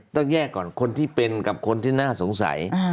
ต้องแยกก่อนคนที่เป็นกับคนที่น่าสงสัย